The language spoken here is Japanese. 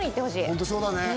本当、そうだね。